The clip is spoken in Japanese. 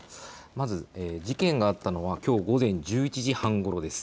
まず、事件があったのはきょう午前１１時半ごろです。